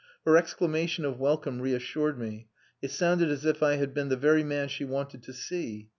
Her exclamation of welcome reassured me. It sounded as if I had been the very man she wanted to see.